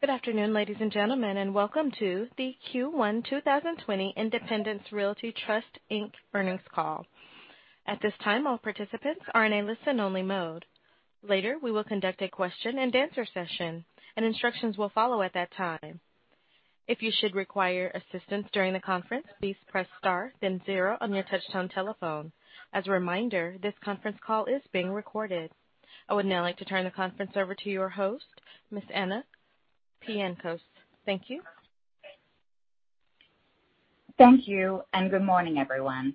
Good afternoon, ladies and gentlemen, and welcome to the Q1 2020 Independence Realty Trust, Inc. earnings call. At this time, all participants are in a listen-only mode. Later, we will conduct a question-and-answer session, and instructions will follow at that time. If you should require assistance during the conference, please press star then zero on your touchtone telephone. As a reminder, this conference call is being recorded. I would now like to turn the conference over to your host, Ms. Anna Pienkos. Thank you. Thank you. Good morning, everyone.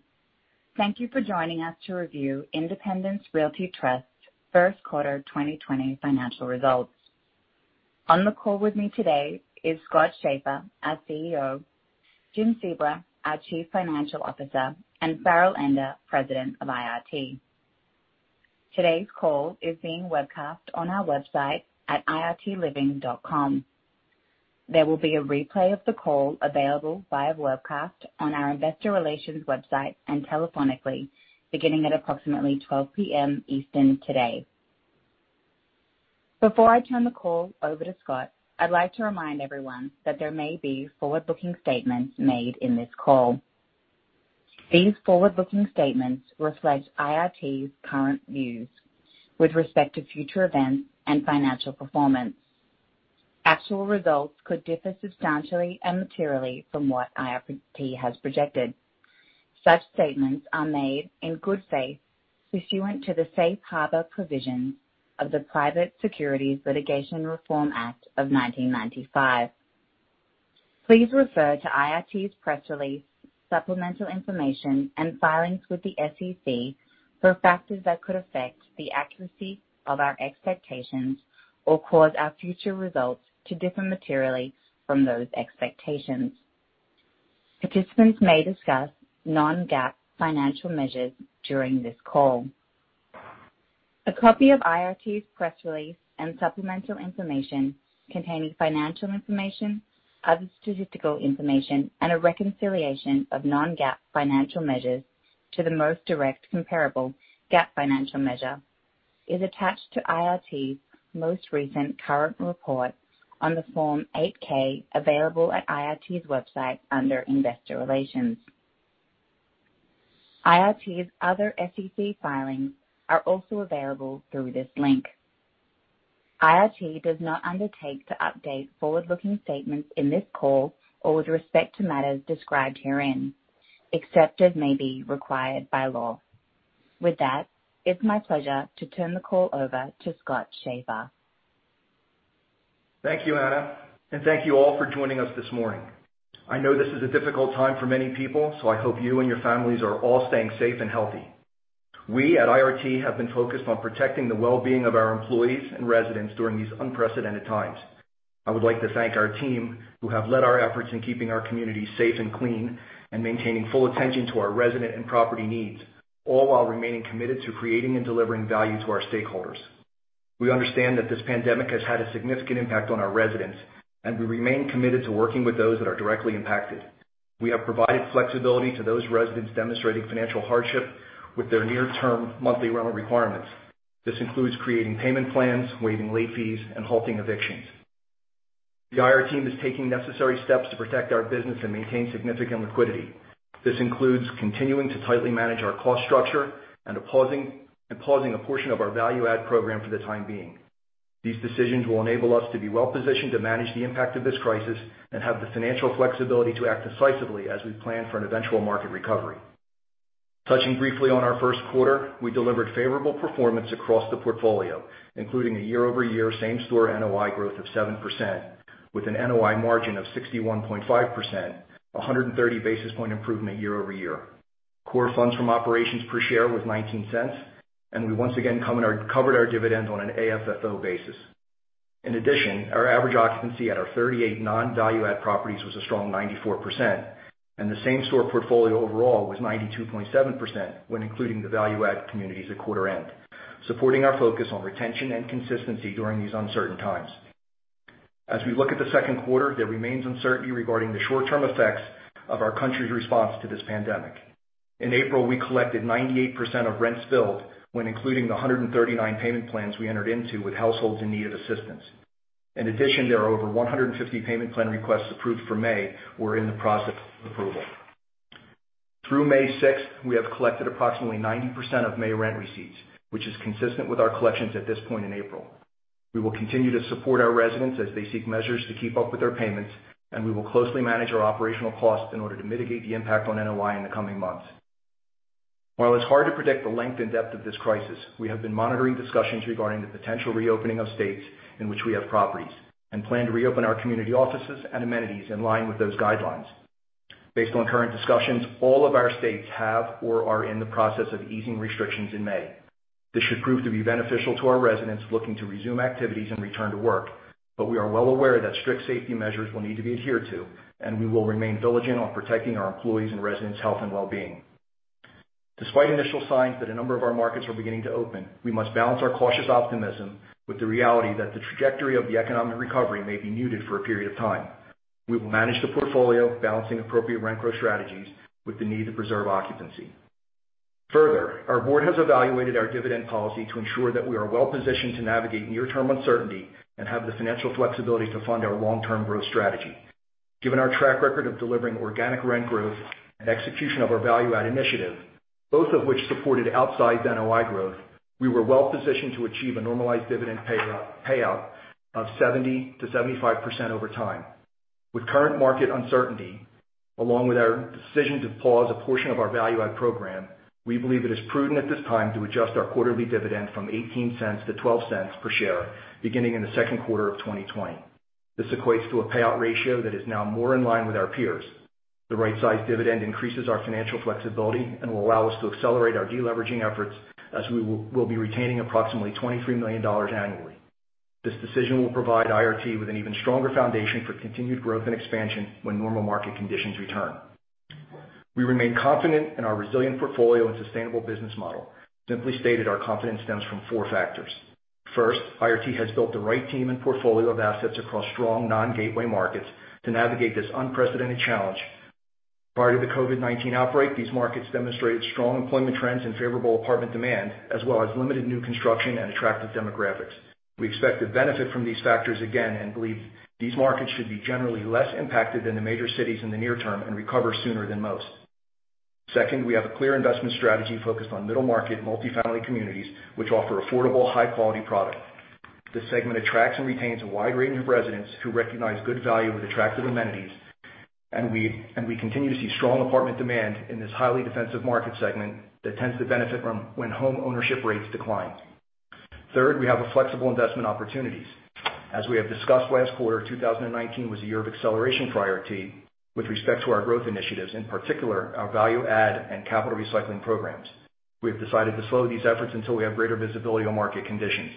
Thank you for joining us to review Independence Realty Trust first quarter 2020 financial results. On the call with me today is Scott Schaeffer, our CEO, Jim Sebra, our Chief Financial Officer, and Farrell Ender, President of IRT. Today's call is being webcast on our website at irtliving.com. There will be a replay of the call available via webcast on our investor relations website and telephonically beginning at approximately 12:00 P.M. eastern today. Before I turn the call over to Scott, I'd like to remind everyone that there may be forward-looking statements made in this call. These forward-looking statements reflect IRT's current views with respect to future events and financial performance. Actual results could differ substantially and materially from what IRT has projected. Such statements are made in good faith pursuant to the safe harbor provisions of the Private Securities Litigation Reform Act of 1995. Please refer to IRT's press release, supplemental information, and filings with the SEC for factors that could affect the accuracy of our expectations or cause our future results to differ materially from those expectations. Participants may discuss non-GAAP financial measures during this call. A copy of IRT's press release and supplemental information containing financial information, other statistical information, and a reconciliation of non-GAAP financial measures to the most direct comparable GAAP financial measure is attached to IRT's most recent current report on the Form 8-K available at IRT's website under Investor Relations. IRT's other SEC filings are also available through this link. IRT does not undertake to update forward-looking statements in this call or with respect to matters described herein, except as may be required by law. With that, it's my pleasure to turn the call over to Scott Schaeffer. Thank you, Anna, and thank you all for joining us this morning. I know this is a difficult time for many people, so I hope you and your families are all staying safe and healthy. We at IRT have been focused on protecting the well-being of our employees and residents during these unprecedented times. I would like to thank our team who have led our efforts in keeping our communities safe and clean and maintaining full attention to our resident and property needs, all while remaining committed to creating and delivering value to our stakeholders. We understand that this pandemic has had a significant impact on our residents, and we remain committed to working with those that are directly impacted. We have provided flexibility to those residents demonstrating financial hardship with their near-term monthly rental requirements. This includes creating payment plans, waiving late fees, and halting evictions. The IR team is taking necessary steps to protect our business and maintain significant liquidity. This includes continuing to tightly manage our cost structure and pausing a portion of our value add program for the time being. These decisions will enable us to be well-positioned to manage the impact of this crisis and have the financial flexibility to act decisively as we plan for an eventual market recovery. Touching briefly on our first quarter, we delivered favorable performance across the portfolio, including a year-over-year same-store NOI growth of 7%, with an NOI margin of 61.5%, 130 basis point improvement year-over-year. Core funds from operations per share was $0.19, we once again covered our dividends on an AFFO basis. In addition, our average occupancy at our 38 non-value add properties was a strong 94%, and the same store portfolio overall was 92.7% when including the value add communities at quarter end, supporting our focus on retention and consistency during these uncertain times. As we look at the second quarter, there remains uncertainty regarding the short-term effects of our country's response to this pandemic. In April, we collected 98% of rents billed when including the 139 payment plans we entered into with households in need of assistance. In addition, there are over 150 payment plan requests approved for May or in the process of approval. Through May 6th, we have collected approximately 90% of May rent receipts, which is consistent with our collections at this point in April. We will continue to support our residents as they seek measures to keep up with their payments, and we will closely manage our operational costs in order to mitigate the impact on NOI in the coming months. While it's hard to predict the length and depth of this crisis, we have been monitoring discussions regarding the potential reopening of states in which we have properties and plan to reopen our community offices and amenities in line with those guidelines. Based on current discussions, all of our states have or are in the process of easing restrictions in May. This should prove to be beneficial to our residents looking to resume activities and return to work, but we are well aware that strict safety measures will need to be adhered to, and we will remain vigilant on protecting our employees' and residents' health and well-being. Despite initial signs that a number of our markets are beginning to open, we must balance our cautious optimism with the reality that the trajectory of the economic recovery may be muted for a period of time. We will manage the portfolio, balancing appropriate rent growth strategies with the need to preserve occupancy. Further, our board has evaluated our dividend policy to ensure that we are well-positioned to navigate near-term uncertainty and have the financial flexibility to fund our long-term growth strategy. Given our track record of delivering organic rent growth and execution of our value add initiative, both of which supported outsized NOI growth, we were well-positioned to achieve a normalized dividend payout of 70%-75% over time. With current market uncertainty, along with our decision to pause a portion of our value add program, we believe it is prudent at this time to adjust our quarterly dividend from $0.18 to $0.12 per share beginning in the second quarter of 2020. This equates to a payout ratio that is now more in line with our peers. The right size dividend increases our financial flexibility and will allow us to accelerate our de-leveraging efforts as we will be retaining approximately $23 million annually. This decision will provide IRT with an even stronger foundation for continued growth and expansion when normal market conditions return. We remain confident in our resilient portfolio and sustainable business model. Simply stated, our confidence stems from four factors. First, IRT has built the right team and portfolio of assets across strong non-gateway markets to navigate this unprecedented challenge. Prior to the COVID-19 outbreak, these markets demonstrated strong employment trends and favorable apartment demand, as well as limited new construction and attractive demographics. We expect to benefit from these factors again and believe these markets should be generally less impacted than the major cities in the near term and recover sooner than most. Second, we have a clear investment strategy focused on middle-market, multi-family communities, which offer affordable, high-quality product. This segment attracts and retains a wide range of residents who recognize good value with attractive amenities, and we continue to see strong apartment demand in this highly defensive market segment that tends to benefit from when homeownership rates decline. Third, we have flexible investment opportunities. As we have discussed last quarter, 2019 was a year of acceleration for IRT with respect to our growth initiatives, in particular our Value Add and Capital Recycling programs. We have decided to slow these efforts until we have greater visibility on market conditions.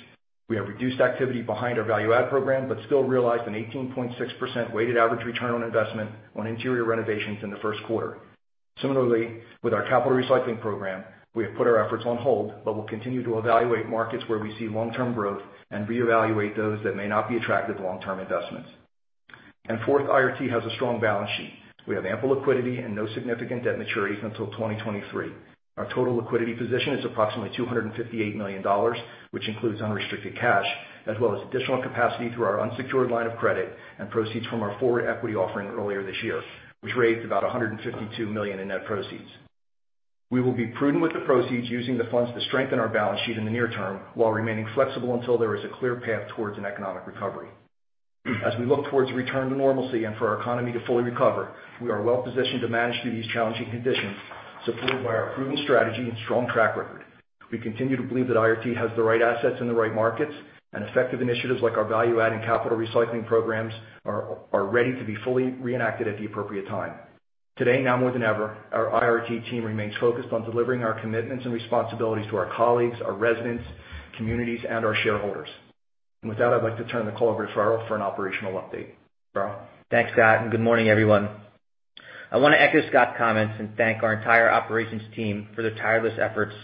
We have reduced activity behind our value add program but still realized an 18.6% weighted average return on investment on interior renovations in the first quarter. Similarly, with our capital recycling program, we have put our efforts on hold, but will continue to evaluate markets where we see long-term growth and reevaluate those that may not be attractive long-term investments. Fourth, IRT has a strong balance sheet. We have ample liquidity and no significant debt maturities until 2023. Our total liquidity position is approximately $258 million, which includes unrestricted cash as well as additional capacity through our unsecured line of credit and proceeds from our forward equity offering earlier this year, which raised about $152 million in net proceeds. We will be prudent with the proceeds, using the funds to strengthen our balance sheet in the near term while remaining flexible until there is a clear path towards an economic recovery. As we look towards return to normalcy and for our economy to fully recover, we are well-positioned to manage through these challenging conditions, supported by our proven strategy and strong track record. Effective initiatives like our value add and capital recycling programs are ready to be fully reenacted at the appropriate time. Today, now more than ever, our IRT team remains focused on delivering our commitments and responsibilities to our colleagues, our residents, communities, and our shareholders. With that, I'd like to turn the call over to Farrell for an operational update. Farrell? Thanks, Scott, and good morning, everyone. I want to echo Scott's comments and thank our entire operations team for their tireless efforts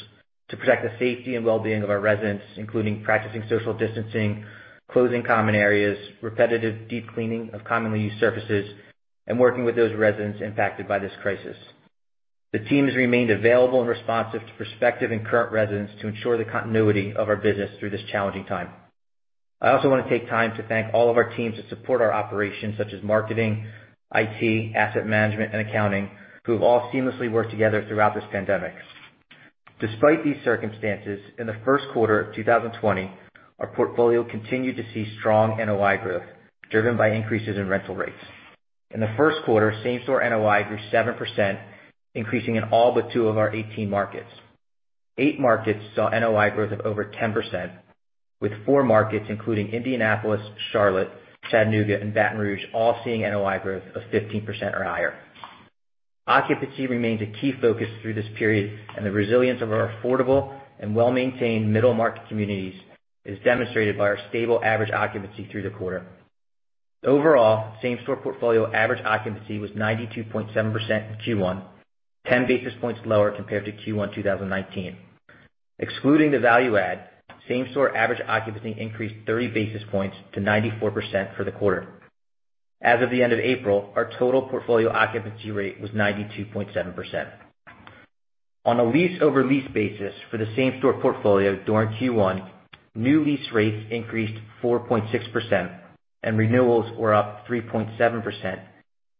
to protect the safety and well-being of our residents, including practicing social distancing, closing common areas, repetitive deep cleaning of commonly used surfaces, and working with those residents impacted by this crisis. The team has remained available and responsive to prospective and current residents to ensure the continuity of our business through this challenging time. I also want to take time to thank all of our teams that support our operations, such as marketing, IT, asset management, and accounting, who have all seamlessly worked together throughout this pandemic. Despite these circumstances, in the first quarter of 2020, our portfolio continued to see strong NOI growth driven by increases in rental rates. In the first quarter, same store NOI grew 7%, increasing in all but two of our 18 markets. Eight markets saw NOI growth of over 10%, with four markets, including Indianapolis, Charlotte, Chattanooga, and Baton Rouge all seeing NOI growth of 15% or higher. Occupancy remains a key focus through this period, and the resilience of our affordable and well-maintained middle-market communities is demonstrated by our stable average occupancy through the quarter. Overall, same store portfolio average occupancy was 92.7% in Q1, 10 basis points lower compared to Q1 2019. Excluding the value add, same store average occupancy increased 30 basis points to 94% for the quarter. As of the end of April, our total portfolio occupancy rate was 92.7%. On a lease-over-lease basis for the same store portfolio during Q1, new lease rates increased 4.6% and renewals were up 3.7%,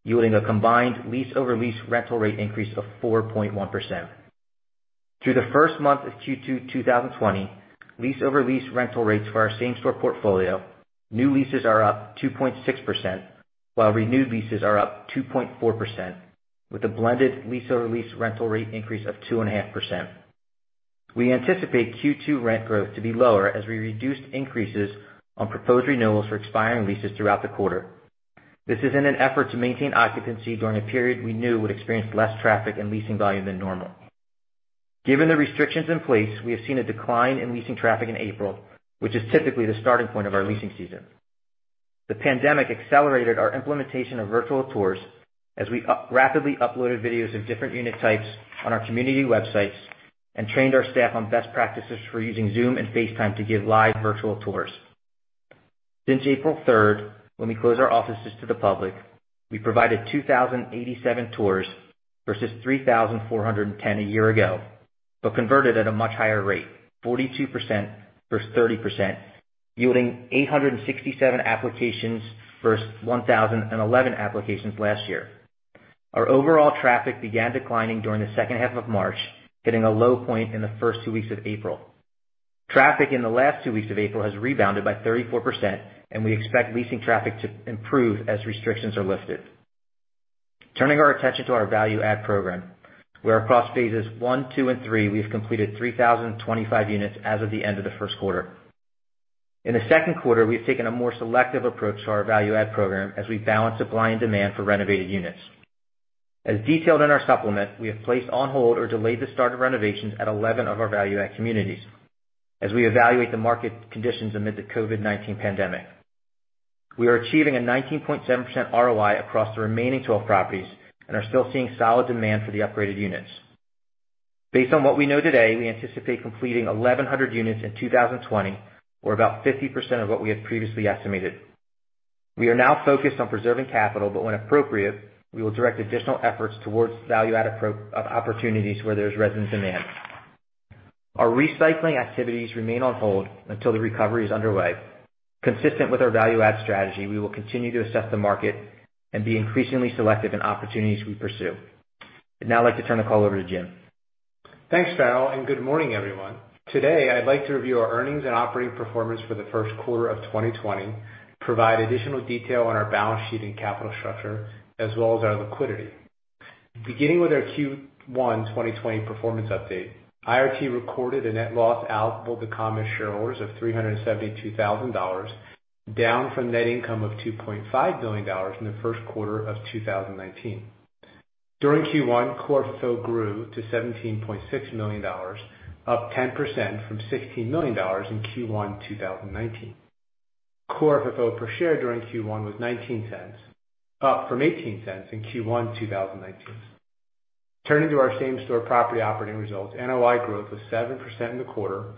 yielding a combined lease-over-lease rental rate increase of 4.1%. Through the first month of Q2 2020, lease-over-lease rental rates for our same store portfolio, new leases are up 2.6%, while renewed leases are up 2.4% with a blended lease-over-lease rental rate increase of 2.5%. We anticipate Q2 rent growth to be lower as we reduced increases on proposed renewals for expiring leases throughout the quarter. This is in an effort to maintain occupancy during a period we knew would experience less traffic and leasing volume than normal. Given the restrictions in place, we have seen a decline in leasing traffic in April, which is typically the starting point of our leasing season. The pandemic accelerated our implementation of virtual tours as we rapidly uploaded videos of different unit types on our community websites and trained our staff on best practices for using Zoom and FaceTime to give live virtual tours. Since April 3rd, when we closed our offices to the public, we provided 2,087 tours versus 3,410 a year ago. Converted at a much higher rate, 42% versus 30%, yielding 867 applications versus 1,011 applications last year. Our overall traffic began declining during the second half of March, hitting a low point in the first two weeks of April. Traffic in the last two weeks of April has rebounded by 34%. We expect leasing traffic to improve as restrictions are lifted. Turning our attention to our value add program, where across phases I, II, and III, we've completed 3,025 units as of the end of the first quarter. In the second quarter, we've taken a more selective approach to our value add program as we balance supply and demand for renovated units. As detailed in our supplement, we have placed on hold or delayed the start of renovations at 11 of our value add communities as we evaluate the market conditions amid the COVID-19 pandemic. We are achieving a 19.7% ROI across the remaining 12 properties and are still seeing solid demand for the upgraded units. Based on what we know today, we anticipate completing 1,100 units in 2020, or about 50% of what we had previously estimated. We are now focused on preserving capital, but when appropriate, we will direct additional efforts towards value add opportunities where there's resident demand. Our recycling activities remain on hold until the recovery is underway. Consistent with our value add strategy, we will continue to assess the market and be increasingly selective in opportunities we pursue. I'd now like to turn the call over to Jim. Thanks, Farrell. Good morning, everyone. Today, I'd like to review our earnings and operating performance for the first quarter of 2020, provide additional detail on our balance sheet and capital structure, as well as our liquidity. Beginning with our Q1 2020 performance update, IRT recorded a net loss allocable to common shareholders of $372,000, down from net income of $2.5 million in the first quarter of 2019. During Q1, core FFO grew to $17.6 million, up 10% from $16 million in Q1 2019. Core FFO per share during Q1 was $0.19, up from $0.18 in Q1 2019. Turning to our same-store property operating results, NOI growth was 7% in the quarter,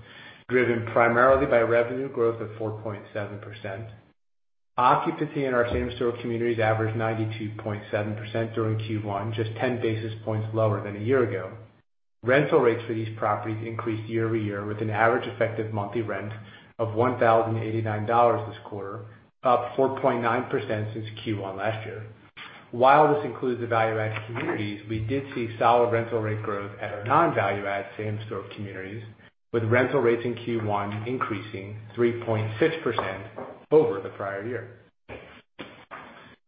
driven primarily by revenue growth of 4.7%. Occupancy in our same-store communities averaged 92.7% during Q1, just 10 basis points lower than a year ago. Rental rates for these properties increased year-over-year, with an average effective monthly rent of $1,089 this quarter, up 4.9% since Q1 last year. While this includes the value add communities, we did see solid rental rate growth at our non-value add same-store communities, with rental rates in Q1 increasing 3.6% over the prior year.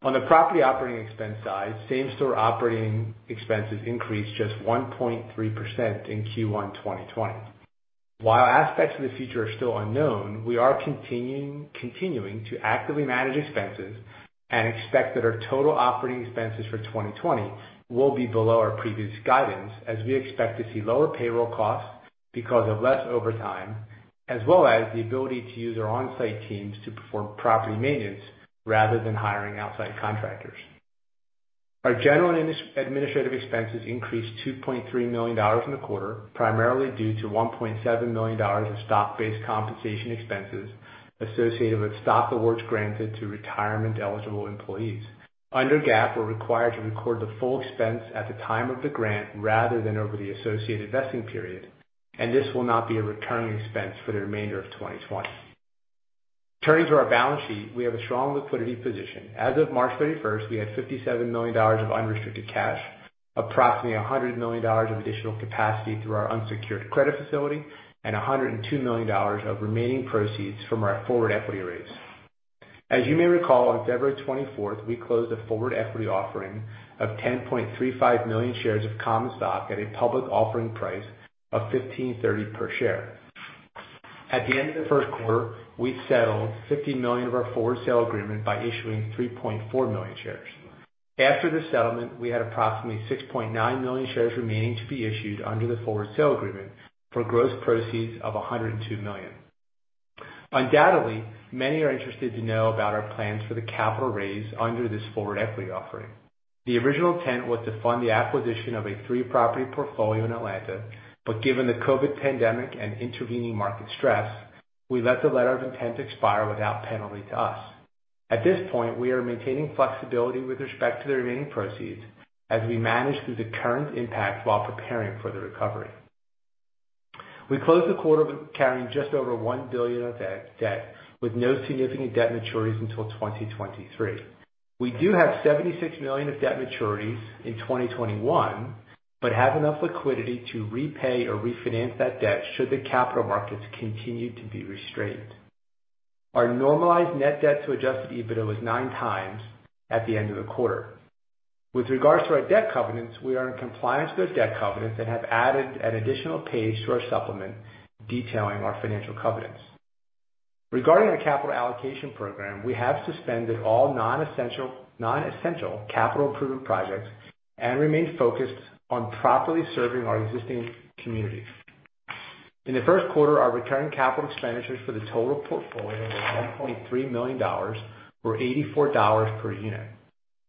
On the property operating expense side, same-store operating expenses increased just 1.3% in Q1 2020. While aspects of the future are still unknown, we are continuing to actively manage expenses and expect that our total operating expenses for 2020 will be below our previous guidance, as we expect to see lower payroll costs because of less overtime, as well as the ability to use our on-site teams to perform property maintenance rather than hiring outside contractors. Our general and administrative expenses increased $2.3 million in the quarter, primarily due to $1.7 million in stock-based compensation expenses associated with stock awards granted to retirement eligible employees. Under GAAP, we're required to record the full expense at the time of the grant rather than over the associated vesting period. This will not be a returning expense for the remainder of 2020. Turning to our balance sheet, we have a strong liquidity position. As of March 31st, we had $57 million of unrestricted cash, approximately $100 million of additional capacity through our unsecured credit facility, and $102 million of remaining proceeds from our forward equity raise. As you may recall, on February 24th, we closed a forward equity offering of 10.35 million shares of common stock at a public offering price of $15.30 per share. At the end of the first quarter, we settled $50 million of our forward sale agreement by issuing 3.4 million shares. After the settlement, we had approximately 6.9 million shares remaining to be issued under the forward sale agreement for gross proceeds of $102 million. Undoubtedly, many are interested to know about our plans for the capital raise under this forward equity offering. The original intent was to fund the acquisition of a three-property portfolio in Atlanta, but given the COVID-19 pandemic and intervening market stress, we let the letter of intent expire without penalty to us. At this point, we are maintaining flexibility with respect to the remaining proceeds as we manage through the current impact while preparing for the recovery. We closed the quarter carrying just over $1 billion of debt, with no significant debt maturities until 2023. We do have $76 million of debt maturities in 2021. Have enough liquidity to repay or refinance that debt should the capital markets continue to be restrained. Our normalized net debt to adjusted EBITDA was 9x at the end of the quarter. With regards to our debt covenants, we are in compliance with our debt covenants. Have added an additional page to our supplement detailing our financial covenants. Regarding our capital allocation program, we have suspended all non-essential capital improvement projects. Remain focused on properly serving our existing communities. In the first quarter, our recurring capital expenditures for the total portfolio were $7.3 million, or $84 per unit.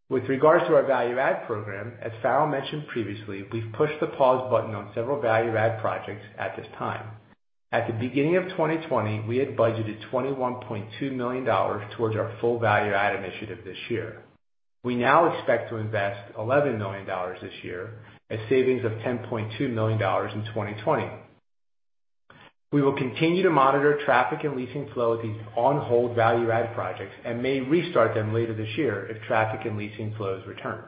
With regards to our value add program, as Farrell mentioned previously, we've pushed the pause button on several value add projects at this time. At the beginning of 2020, we had budgeted $21.2 million towards our full value add initiative this year. We now expect to invest $11 million this year, a savings of $10.2 million in 2020. We will continue to monitor traffic and leasing flow at these on-hold value add projects and may restart them later this year if traffic and leasing flows return.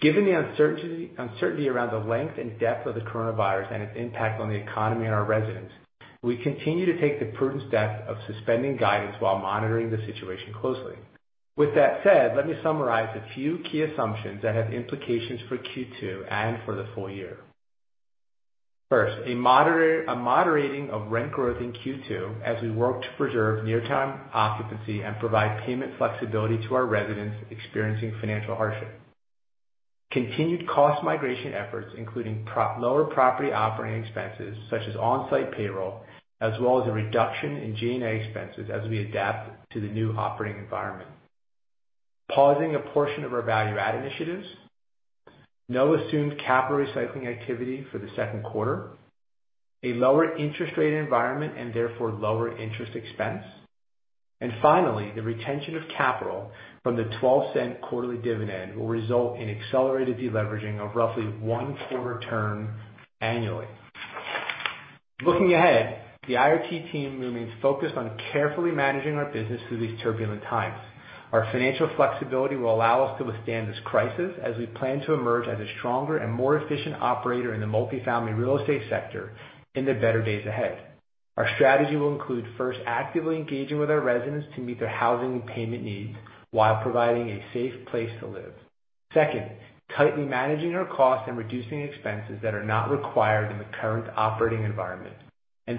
Given the uncertainty around the length and depth of the coronavirus and its impact on the economy and our residents, we continue to take the prudent step of suspending guidance while monitoring the situation closely. With that said, let me summarize a few key assumptions that have implications for Q2 and for the full year. First, a moderating of rent growth in Q2 as we work to preserve near-term occupancy and provide payment flexibility to our residents experiencing financial hardship. Continued cost migration efforts, including lower property operating expenses such as on-site payroll, as well as a reduction in G&A expenses as we adapt to the new operating environment. Pausing a portion of our value add initiatives. No assumed capital recycling activity for the second quarter. A lower interest rate environment and therefore lower interest expense. Finally, the retention of capital from the $0.12 quarterly dividend will result in accelerated de-leveraging of roughly one quarter turn annually. Looking ahead, the IRT team remains focused on carefully managing our business through these turbulent times. Our financial flexibility will allow us to withstand this crisis as we plan to emerge as a stronger and more efficient operator in the multifamily real estate sector in the better days ahead. Our strategy will include, first, actively engaging with our residents to meet their housing and payment needs while providing a safe place to live. Second, tightly managing our costs and reducing expenses that are not required in the current operating environment.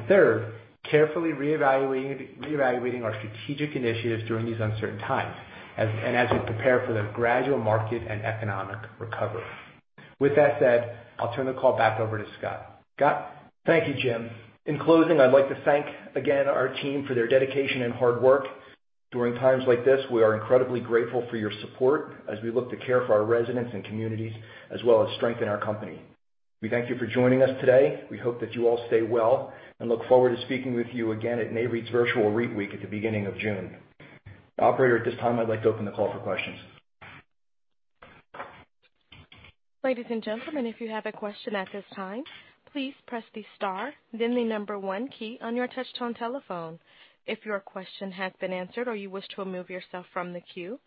Third, carefully reevaluating our strategic initiatives during these uncertain times and as we prepare for the gradual market and economic recovery. With that said, I'll turn the call back over to Scott. Scott? Thank you, Jim. In closing, I'd like to thank again our team for their dedication and hard work. During times like this, we are incredibly grateful for your support as we look to care for our residents and communities, as well as strengthen our company. We thank you for joining us today. We hope that you all stay well and look forward to speaking with you again at Nareit's Virtual REITweek at the beginning of June. Operator, at this time, I'd like to open the call for questions. Ladies and gentlemen, if you have a question at this time, please press the star, then the number one key on your touch-tone telephone. If your question has been answered or you wish to remove yourself from the queue,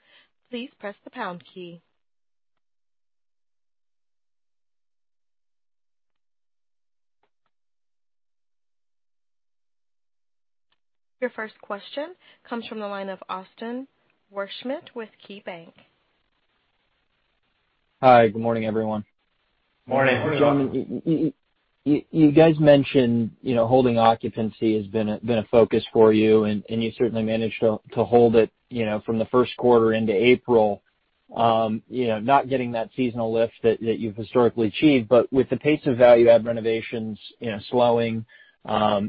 please press the pound key. Your first question comes from the line of Austin Wurschmidt with KeyBanc. Hi, good morning, everyone. Morning. Morning. You guys mentioned holding occupancy has been a focus for you, and you certainly managed to hold it from the first quarter into April. Not getting that seasonal lift that you've historically achieved, but with the pace of value add renovations slowing,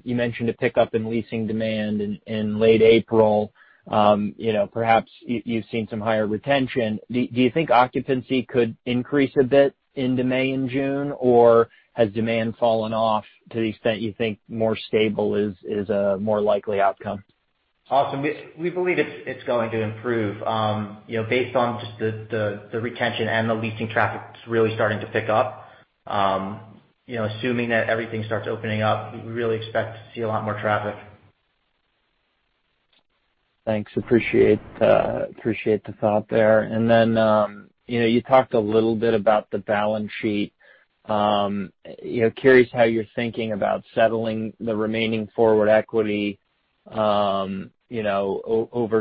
you mentioned a pickup in leasing demand in late April. Perhaps you've seen some higher retention. Do you think occupancy could increase a bit into May and June, or has demand fallen off to the extent you think more stable is a more likely outcome? Austin, we believe it's going to improve. Based on just the retention and the leasing traffic that's really starting to pick up. Assuming that everything starts opening up, we really expect to see a lot more traffic. Thanks. Appreciate the thought there. You talked a little bit about the balance sheet. Curious how you're thinking about settling the remaining forward equity over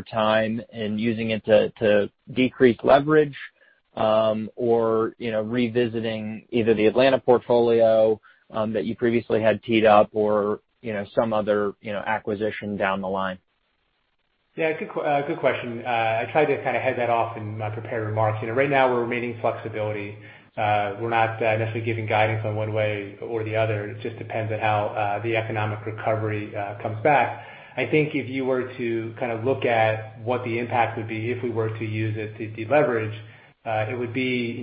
time and using it to decrease leverage or revisiting either the Atlanta portfolio that you previously had teed up or some other acquisition down the line? Yeah. Good question. I tried to kind of head that off in my prepared remarks. Right now we're remaining flexibility. We're not necessarily giving guidance on one way or the other. It just depends on how the economic recovery comes back. I think if you were to kind of look at what the impact would be if we were to use it to de-leverage, it would be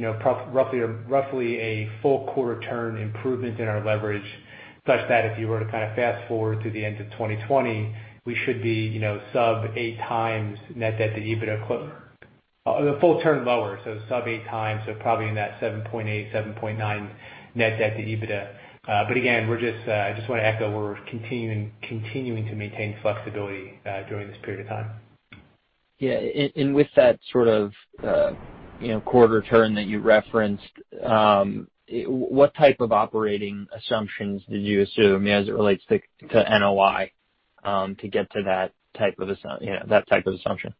roughly a full quarter turn improvement in our leverage, such that if you were to kind of fast-forward to the end of 2020, we should be sub 8x net debt to EBITDA, a full turn lower, so sub 8x, so probably in that 7.8, 7.9 net debt to EBITDA. Again, I just want to echo we're continuing to maintain flexibility during this period of time. Yeah. With that sort of quarter turn that you referenced, what type of operating assumptions did you assume as it relates to NOI to get to that type of assumption?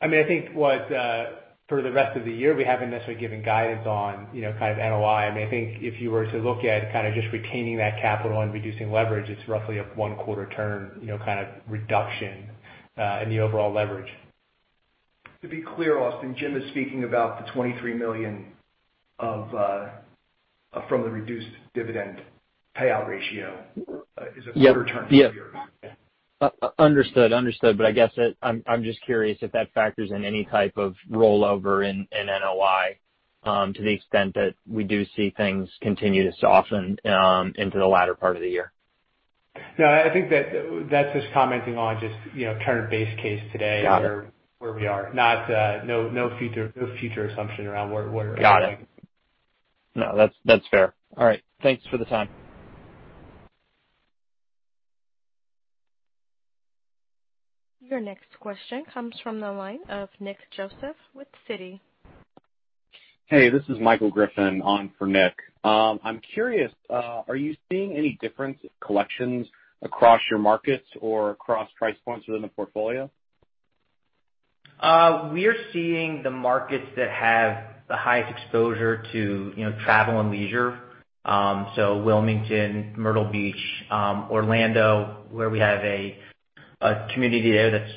I think for the rest of the year, we haven't necessarily given guidance on kind of NOI. I think if you were to look at kind of just retaining that capital and reducing leverage, it's roughly a one-quarter turn kind of reduction in the overall leverage. To be clear, Austin, Jim is speaking about the $23 million from the reduced dividend payout ratio is a shorter term here. Yes. Understood. I guess I'm just curious if that factors in any type of rollover in NOI to the extent that we do see things continue to soften into the latter part of the year. No, I think that's just commenting on just current base case today. Got it. where we are. No future assumption around where it might. Got it. No, that's fair. All right. Thanks for the time. Your next question comes from the line of Nick Joseph with Citi. Hey, this is Michael Griffin on for Nick. I'm curious, are you seeing any difference in collections across your markets or across price points within the portfolio? We're seeing the markets that have the highest exposure to travel and leisure. Wilmington, Myrtle Beach, Orlando, where we have a community there that's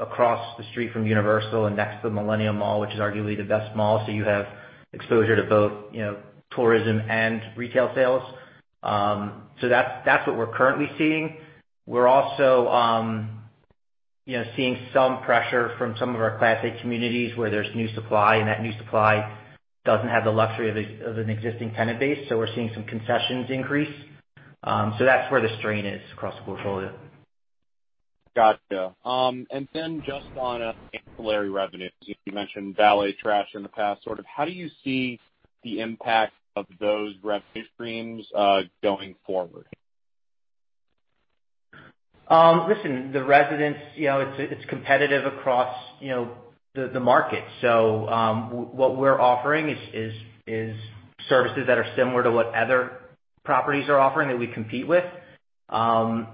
across the street from Universal and next to The Mall at Millenia, which is arguably the best mall. You have exposure to both tourism and retail sales. That's what we're currently seeing. We're also seeing some pressure from some of our Class A communities where there's new supply, and that new supply doesn't have the luxury of an existing tenant base. We're seeing some concessions increase. That's where the strain is across the portfolio. Got you. Then just on ancillary revenues, you mentioned valet, trash in the past. How do you see the impact of those revenue streams going forward? Listen, the residents, it's competitive across the market. What we're offering is services that are similar to what other properties are offering that we compete with. If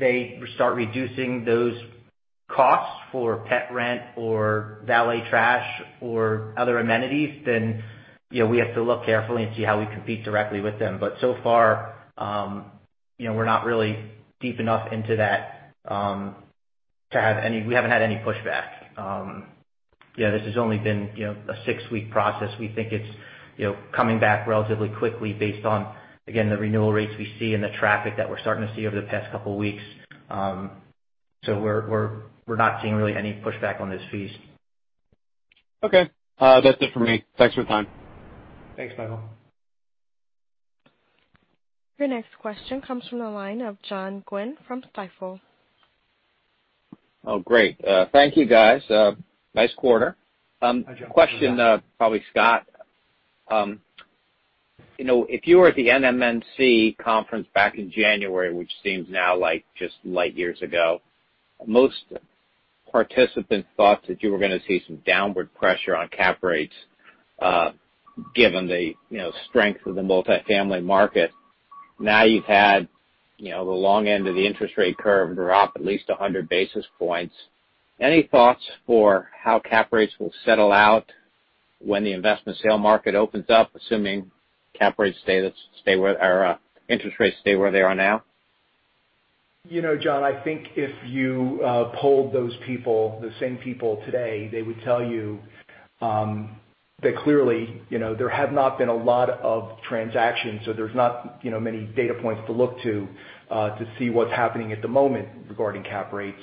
they start reducing those costs for pet rent or valet, trash, or other amenities, then we have to look carefully and see how we compete directly with them. So far, we're not really deep enough into that. We haven't had any pushback. This has only been a six-week process. We think it's coming back relatively quickly based on, again, the renewal rates we see and the traffic that we're starting to see over the past couple of weeks. We're not seeing really any pushback on those fees. Okay. That's it for me. Thanks for the time. Thanks, Michael. Your next question comes from the line of John Guinee from Stifel. Oh, great. Thank you, guys. Nice quarter. Hi, John. Question, probably Scott, if you were at the NMHC conference back in January, which seems now like just light years ago, most participants thought that you were going to see some downward pressure on cap rates given the strength of the multifamily market. Now you've had the long end of the interest rate curve drop at least 100 basis points. Any thoughts for how cap rates will settle out when the investment sale market opens up, assuming interest rates stay where they are now? John, I think if you polled those people, the same people today, they would tell you that clearly, there have not been a lot of transactions. There's not many data points to look to see what's happening at the moment regarding cap rates.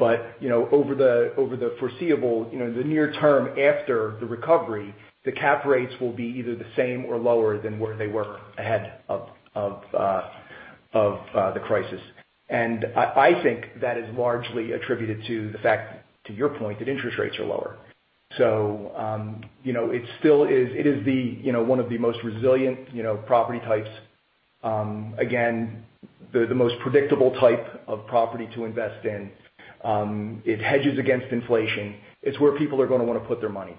Over the foreseeable, the near term after the recovery, the cap rates will be either the same or lower than where they were ahead of the crisis. I think that is largely attributed to the fact, to your point, that interest rates are lower. It is one of the most resilient property types. Again, the most predictable type of property to invest in. It hedges against inflation. It's where people are going to want to put their money.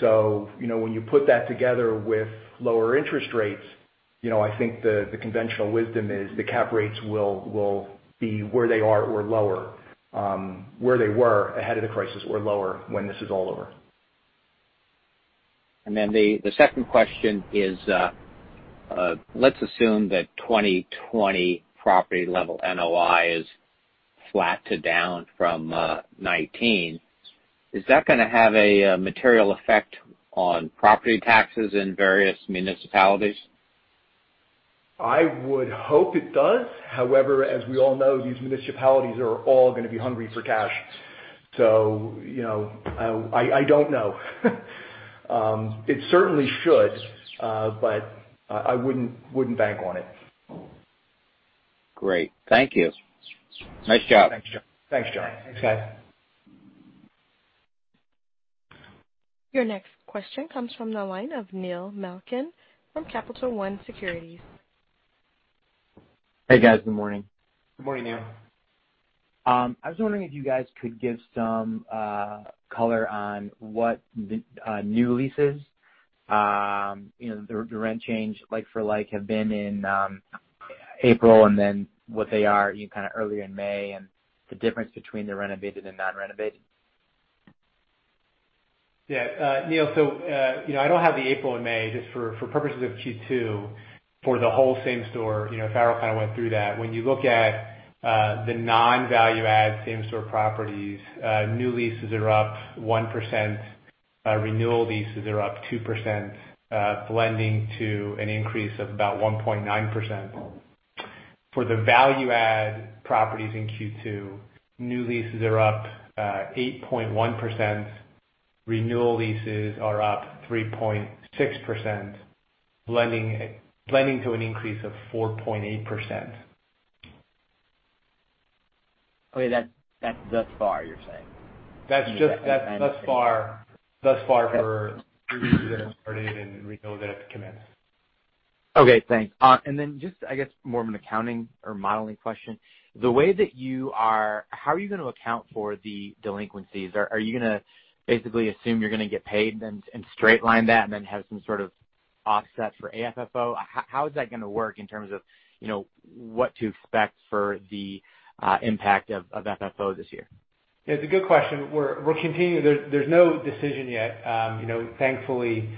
When you put that together with lower interest rates, I think the conventional wisdom is the cap rates will be where they are or lower, where they were ahead of the crisis or lower when this is all over. The second question is, let's assume that 2020 property level NOI is flat to down from 2019. Is that going to have a material effect on property taxes in various municipalities? I would hope it does. As we all know, these municipalities are all going to be hungry for cash. I don't know. It certainly should, but I wouldn't bank on it. Great. Thank you. Nice job. Thanks, John. Thanks, guys. Your next question comes from the line of Neil Malkin from Capital One Securities. Hey, guys. Good morning. Good morning, Neil. I was wondering if you guys could give some color on what the new leases the rent change like for like have been in April, and then what they are kind of earlier in May, and the difference between the renovated and non-renovated? Neil, I don't have the April and May just for purposes of Q2 for the whole same store. Farrell kind of went through that. When you look at the non-value add same store properties, new leases are up 1%. Renewal leases are up 2%, blending to an increase of about 1.9%. For the value add properties in Q2, new leases are up 8.1%. Renewal leases are up 3.6%, blending to an increase of 4.8%. Okay. That's thus far, you're saying? That's thus far for new leases that have started and renewals that have commenced. Okay, thanks. Just, I guess, more of an accounting or modeling question. How are you going to account for the delinquencies? Are you going to basically assume you're going to get paid and straight line that and then have some sort of offset for AFFO? How is that going to work in terms of what to expect for the impact of FFO this year? Yeah, it's a good question. There's no decision yet. Thankfully,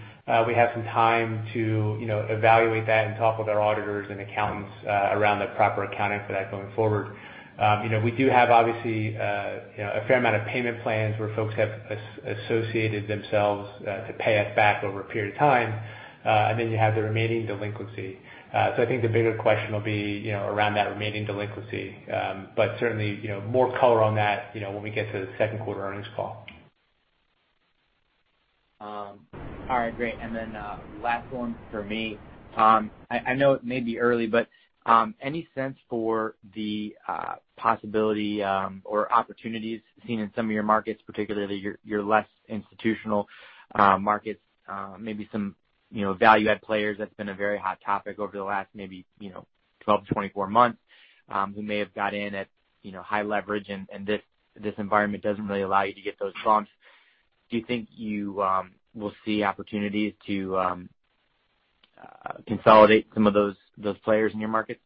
we have some time to evaluate that and talk with our auditors and accountants around the proper accounting for that going forward. We do have, obviously, a fair amount of payment plans where folks have associated themselves to pay us back over a period of time. You have the remaining delinquency. I think the bigger question will be around that remaining delinquency. Certainly, more color on that when we get to the second quarter earnings call. All right, great. Last one for me. I know it may be early, but any sense for the possibility or opportunities seen in some of your markets, particularly your less institutional markets, maybe some value-add players that's been a very hot topic over the last maybe 12-24 months, who may have got in at high leverage and this environment doesn't really allow you to get those bumps. Do you think you will see opportunities to consolidate some of those players in your markets?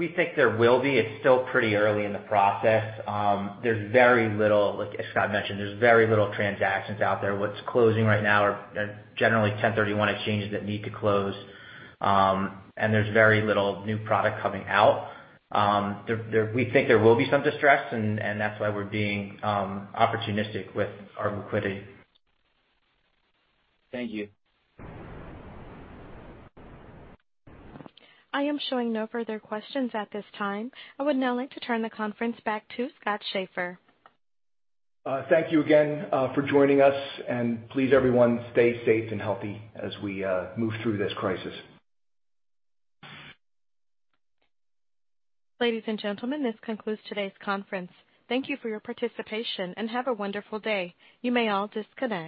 We think there will be. It's still pretty early in the process. As Scott mentioned, there's very little transactions out there. What's closing right now are generally 1031 exchanges that need to close, and there's very little new product coming out. We think there will be some distress, and that's why we're being opportunistic with our liquidity. Thank you. I am showing no further questions at this time. I would now like to turn the conference back to Scott Schaeffer. Thank you again for joining us, and please, everyone, stay safe and healthy as we move through this crisis. Ladies and gentlemen, this concludes today's conference. Thank you for your participation, and have a wonderful day. You may all disconnect.